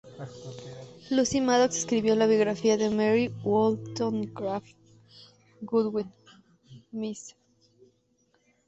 Lucy Madox escribió la biografía de Mary Wollstonecraft Godwin, "Mrs.